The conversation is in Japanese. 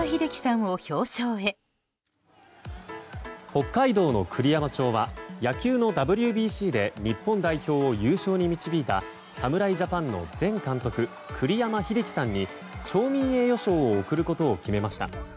北海道の栗山町は野球のＷＢＣで日本代表を優勝に導いた侍ジャパンの前監督栗山英樹さんに町民栄誉賞を贈ることを決めました。